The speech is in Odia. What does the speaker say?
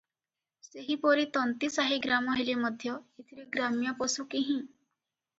ସେହିପରି ତନ୍ତୀସାହି ଗ୍ରାମ ହେଲେ ମଧ୍ୟ ଏଥିରେ ଗ୍ରାମ୍ୟ ପଶୁ କିହିଁ ।